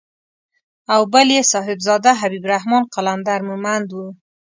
او بل يې صاحبزاده حبيب الرحمن قلندر مومند و.